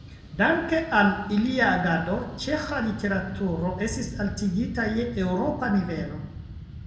Danke al ilia agado ĉeĥa literaturo estis altigita je eŭropa nivelo.